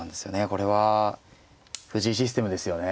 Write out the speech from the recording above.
これは藤井システムですよね。